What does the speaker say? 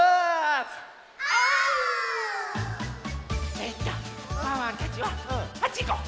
えっとワンワンたちはあっちいこう！